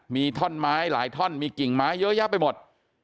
มีท่อนไม้หลายท่อนมีกิ่งไม้เยอะแยะไปหมด